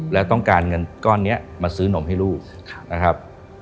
แล้วต้องการเงินก้อนนี้มาซื้อนมให้ลูกนะครับ